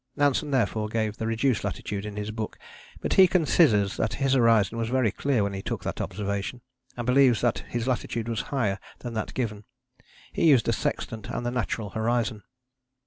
Nansen therefore gave the reduced latitude in his book, but he considers that his horizon was very clear when he took that observation, and believes that his latitude was higher than that given. He used a sextant and the natural horizon.